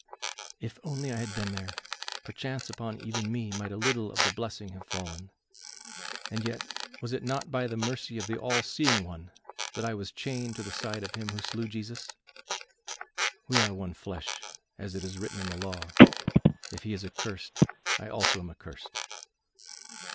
"If only I had been there, perchance upon even me might a little of the blessing have fallen. And yet, was it not by the mercy of the all seeing One that I was chained to the side of him who slew Jesus? We are one flesh, as it is written in the law; if he is accursed, I also am accursed."